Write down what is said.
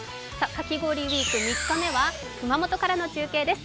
かき氷ウイーク３日目は熊本からの中継です。